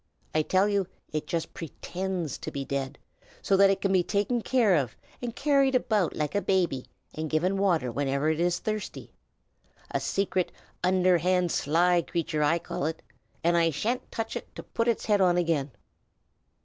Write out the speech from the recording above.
I tell you, it just pretends to be dead, so that it can be taken care of, and carried about like a baby, and given water whenever it is thirsty. A secret, underhand, sly creature, I call it, and I sha'n't touch it to put its head on again!"